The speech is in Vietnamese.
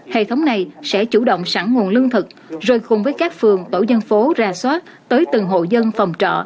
hệ thống này sẽ chủ động sẵn nguồn lương thực rời khùng với các phường tổ dân phố ra xóa tới từng hộ dân phòng trọ